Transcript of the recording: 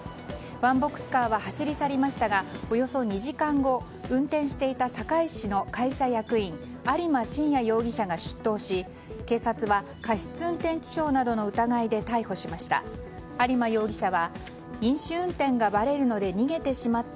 ワンボックスカーは走り去りましたがおよそ２時間後運転していた堺市の会社役員有間信也容疑者が出頭し警察は過失運転致傷などの疑いで逮捕しました。